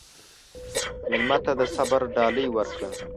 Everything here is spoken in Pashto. مېلمه ته د صبر ډالۍ ورکړه.